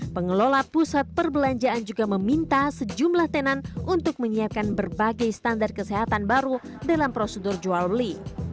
pengelola pusat perbelanjaan juga meminta sejumlah tenan untuk menyiapkan berbagai standar kesehatan baru dalam prosedur jual beli